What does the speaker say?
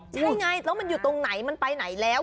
ใช่ไงแล้วมันอยู่ตรงไหนมันไปไหนแล้ว